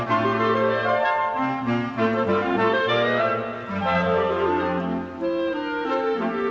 สวัสดีครับสวัสดีครับ